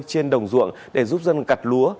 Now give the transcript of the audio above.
trên đồng ruộng để giúp dân cặt lúa